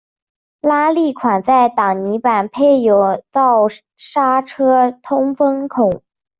拉力款在挡泥板配有人造刹车通风孔。